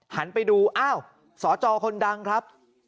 หันไปดูอ้าวสจคนดังครับ